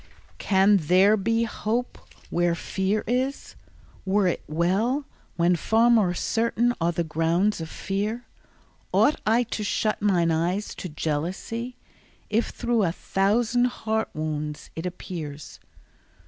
Can there be hope where fear is? Were it well, When far more certain are the grounds of fear? Ought I to shut mine eyes to jealousy, If through a thousand heart wounds it appears?